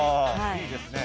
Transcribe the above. いいですね。